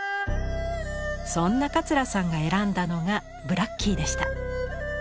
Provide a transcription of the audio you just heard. そんな桂さんが選んだのがブラッキーでした。